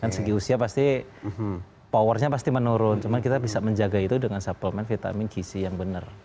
dan segi usia pasti powernya pasti menurun cuman kita bisa menjaga itu dengan suplemen vitamin g c yang bener